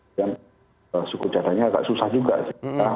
dan suku cadanya agak susah juga sih